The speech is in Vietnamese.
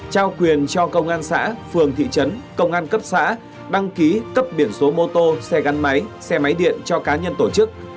trao quyền cho công an xã phường thị trấn công an cấp xã đăng ký cấp biển số mô tô xe gắn máy xe máy điện cho cá nhân tổ chức